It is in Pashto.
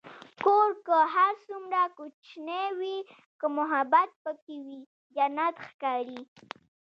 کور که هر څومره کوچنی وي، که محبت پکې وي، جنت ښکاري.